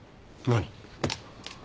何？